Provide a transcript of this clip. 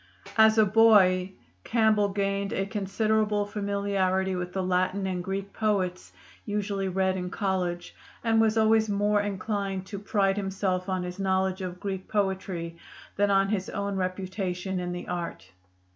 As a boy, Campbell gained a considerable familiarity with the Latin and Greek poets usually read in college, and was always more inclined to pride himself on his knowledge of Greek poetry than on his own reputation in the art.